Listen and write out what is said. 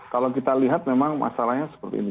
kalau kita lihat memang masalahnya seperti ini